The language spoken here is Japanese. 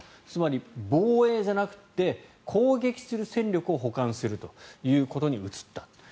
つまり防衛じゃなくて攻撃する戦力を補完するということに移ったと。